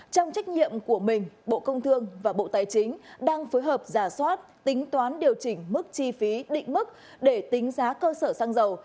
trong trách nhiệm của mình bộ công thương và bộ tài chính đang phối hợp giả soát tính toán điều chỉnh mức chi phí định mức để tính giá cơ sở xăng dầu